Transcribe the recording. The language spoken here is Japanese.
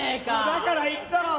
だから言ったろ！